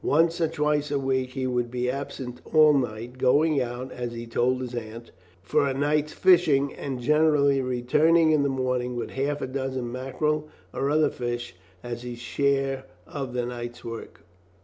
Once or twice a week he would be absent all night, going out, as he told his aunt, for a night's fishing, and generally returning in the morning with half a dozen mackerel or other fish as his share of the night's work.